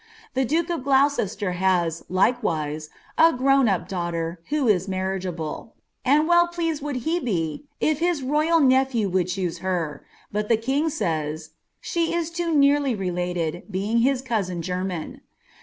Tb> iluke of Gloucester has. likewise, a grown ap girl, who ia marritgnUh and well pleaHed would he be if his royal nepliew would ctiocoe tej bui (he king says ' she is too nearly related, being hid eousin genniB.'